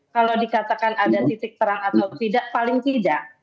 kalau dikatakan ada titik terang atau tidak paling tidak